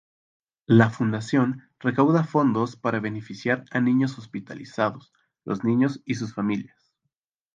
La fundación recauda fondos para beneficiar a niños hospitalizados, los niños y sus familias.